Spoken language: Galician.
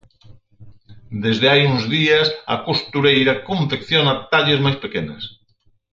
Desde hai uns días a costureira confecciona talles máis pequenas.